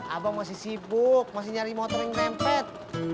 abang masih sibuk masih nyari motor yang nempel